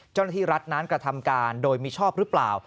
เจ้าหน้าที่รัฐนั้นกระทำการโดยมิชอบหรือเปล่า